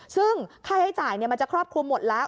ซึ่งค่าใช้จ่ายมันจะครอบคลุมหมดแล้ว